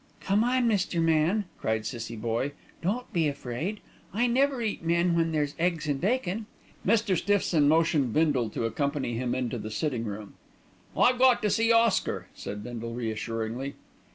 "Come on, Mr. Man," cried Cissie Boye, "don't be afraid, I never eat men when there's eggs and bacon." Mr. Stiffson motioned Bindle to accompany him into the sitting room. "I got to see to Oscar," said Bindle reassuringly.